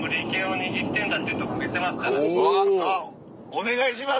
お願いします